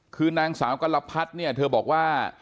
คือนางสาวกรพัดเนี่ยเธอบอกว่า